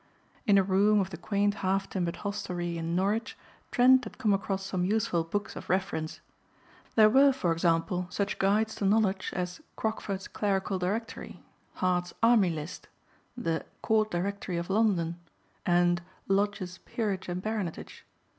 In a room of the quaint half timbered hostelry in Norwich Trent had come across some useful books of reference. There were, for example, such guides to knowledge as "Crockford's Clerical Directory"; "Hart's Army List"; the "Court Directory of London" and "Lodge's Peerage and Baronetage."